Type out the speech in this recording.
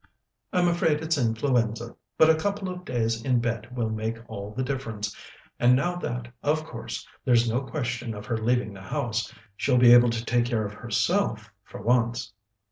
"I'm afraid it's influenza, but a couple of days in bed will make all the difference, and now that, of course, there's no question of her leaving the house, she'll be able to take care of herself for once."